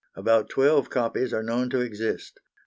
About twelve copies are known to exist.